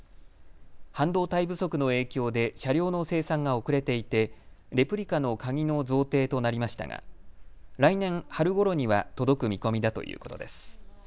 半導体不足の影響で車両の生産が遅れていてレプリカの鍵の贈呈となりましたが来年春ごろには届く見込みだということです。